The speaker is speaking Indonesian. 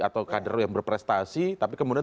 atau kader yang berprestasi tapi kemudian